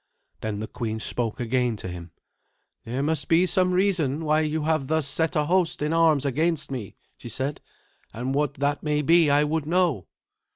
Then the queen spoke again to him. "There must be some reason why you have thus set a host in arms against me," she said, "and what that may be I would know."